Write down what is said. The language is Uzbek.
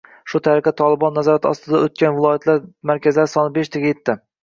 Shu tariqa “Tolibon” nazorati ostiga o‘tgan viloyat markazlari soni beshtaga yetdi